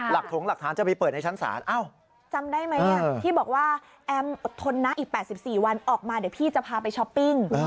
ถงหลักฐานจะไปเปิดในชั้นศาลจำได้ไหมที่บอกว่าแอมอดทนนะอีก๘๔วันออกมาเดี๋ยวพี่จะพาไปช้อปปิ้ง